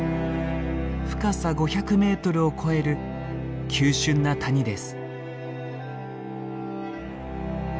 深さ５００メートルを超える急しゅんな谷です。